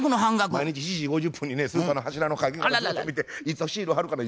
毎日７時５０分にねスーパーの柱の陰からずっと見ていつシール貼るかな。